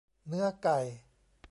เนื้อไก่